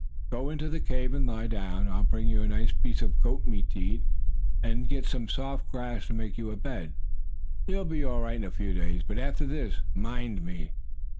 Go into the cave and lie down. I'll bring you a nice piece of goat meat to eat, and get some soft grass to make you a bed. You'll be all right in a few days, but after this mind me!"